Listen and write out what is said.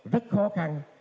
rất khó khăn